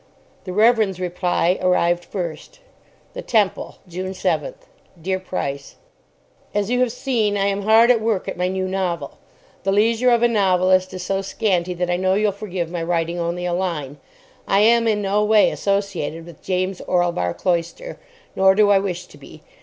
The Reverend's reply arrived first: THE TEMPLE, June 7th. Dear Price,— As you have seen, I am hard at work at my new novel. The leisure of a novelist is so scanty that I know you'll forgive my writing only a line. I am in no way associated with James Orlebar Cloyster, nor do I wish to be.